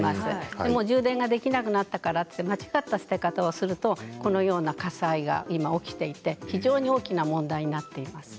でも充電ができなくなったからといって間違った捨て方をするとこのような火災が起きて非常に大きな問題になっています。